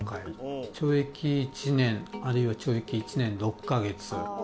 懲役１年あるいは懲役１年６カ月。